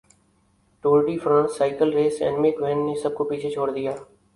Tour de France cycle race Annemiek van نے سب کو پچھاڑدیا